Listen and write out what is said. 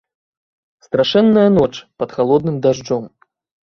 Страшэнная ноч пад халодным дажджом.